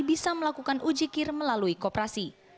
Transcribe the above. bisa melakukan uji kir melalui kooperasi